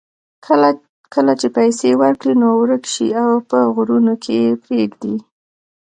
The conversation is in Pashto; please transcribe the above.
کله چې پیسې ورکړې نو ورک شي او په غرونو کې یې پرېږدي.